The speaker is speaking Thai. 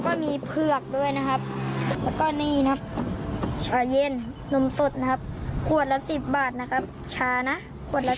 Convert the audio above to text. น้ำที่เราจะขายเข้าไปด้วยชายครับ